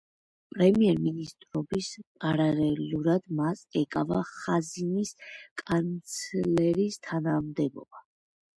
პრემიერ-მინისტრობის პარალელურად მას ეკავა ხაზინის კანცლერის თანამდებობა.